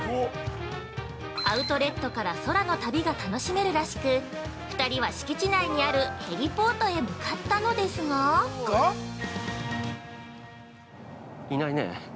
アウトレットから空の旅が楽しめるらしく２人は敷地内にあるヘリポートへ向かったのですが◆いないね。